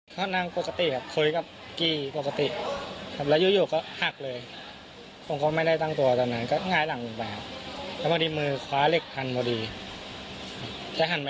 เพื่อนก็นั่งกลับไปเรื่อยครับยาว